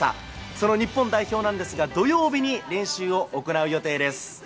その日本代表なんですが土曜日に練習を行う予定です。